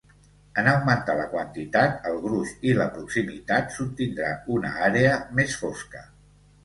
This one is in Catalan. En augmentar la quantitat, el gruix i la proximitat, s'obtindrà una àrea més fosca.